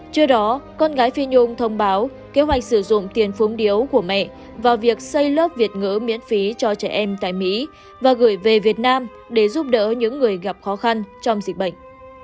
trước đó con gái phi nhung thông báo kế hoạch sử dụng tiền phốn điếu của mẹ vào việc xây lớp việt ngỡ miễn phí cho trẻ em tại mỹ và gửi về việt nam để giúp đỡ những người gặp khó khăn trong dịch bệnh